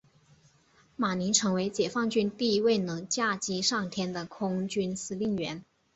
马宁成为解放军第一位能驾机上天的空军司令员。